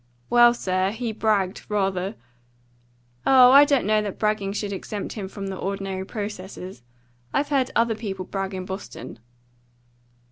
"Well, sir, he bragged, rather." "Oh, I don't know that bragging should exempt him from the ordinary processes. I've heard other people brag in Boston."